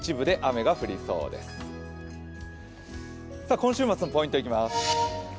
今週末のポイントいきます。